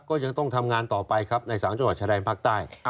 ก็ยังต้องทำงานต่อไปครับใน๓จังหวัดชายแดนภาคใต้